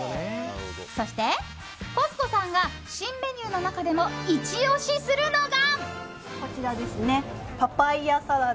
そしてコス子さんが新メニューの中でもイチ押しするのが。